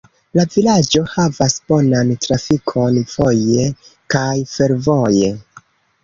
La vilaĝo havas bonan trafikon voje kaj fervoje.